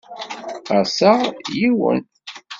Qaseɣ yiwen.